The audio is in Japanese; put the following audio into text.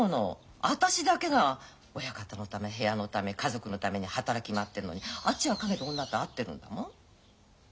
私だけが親方のため部屋のため家族のために働き回ってんのにあっちは陰で女と会ってるんだもん。